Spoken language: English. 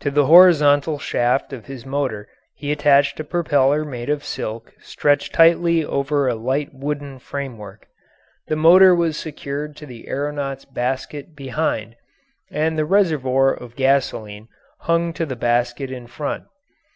To the horizontal shaft of his motor he attached a propeller made of silk stretched tightly over a light wooden framework. The motor was secured to the aeronaut's basket behind, and the reservoir of gasoline hung to the basket in front.